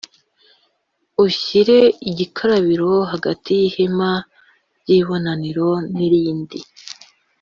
Ushyire igikarabiro hagati y’ihema ry’ibonaniro n’irindi